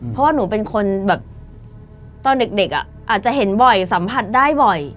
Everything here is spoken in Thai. เพราะว่าหนูเป็นคนแบบตอนเด็กอาจจะเห็นบ่อยสัมผัสได้บ่อย